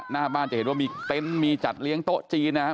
หน้าบ้านจะเห็นว่ามีเต็นต์มีจัดเลี้ยงโต๊ะจีนนะครับ